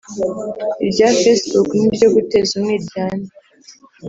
irya Facebook n’iryo guteza umwiryane